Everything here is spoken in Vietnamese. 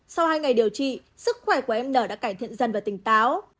sau hai ngày điều trị sức khỏe của em nở đã cải thiện dần và tỉnh táo